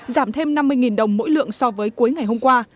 giảm thêm năm mươi đồng mỗi lượng so với cuối ngày hôm qua